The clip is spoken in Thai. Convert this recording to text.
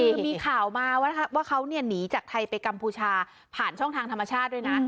คือมีข่าวมาว่าเขาหนีจากไทยไปกัมพูชาผ่านช่องทางธรรมชาติด้วยนะ